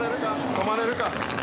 止まれるか？